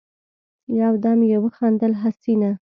يودم يې وخندل: حسينه!